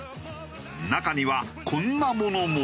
中にはこんなものも。